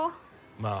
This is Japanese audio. まあ